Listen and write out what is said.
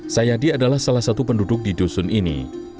sayadi adalah salah satu penduduk di dusun ini